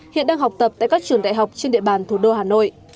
hiện đang học tập tại các trường đại học trên địa bàn thủ đô hà nội